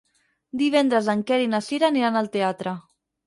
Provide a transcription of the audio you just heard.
Divendres en Quer i na Cira aniran al teatre.